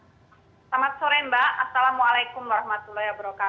selamat sore mbak assalamualaikum wr wb